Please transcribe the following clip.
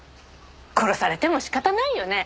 殺されても仕方ないよね？